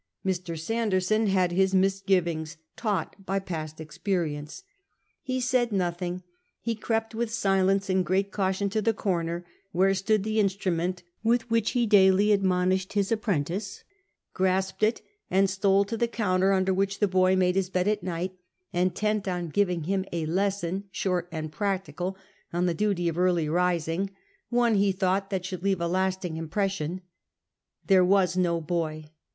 Mr. Sander son had his misgivings, taught by p«ist experience. J fe sjiid nothing ; lie crept witli silence and great caution to tlie corner where stood the instrument with which he daily admonished his apprentice, grasped it and stole to the counter under which the boy made liis Ixjd at night, intent on giving him a lesson, short and practical, on the duty of early rising — one, he thought, that should leave a lasting impression. There was no boy.